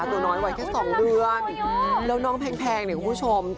มันหน่วงตัวน้อยฝ่านหน่วงแค่๒เดือนแล้วน้องเพียงเนี้ยคุณผู้ชม